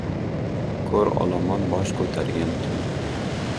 Ko‘r olomon bosh ko‘targan tun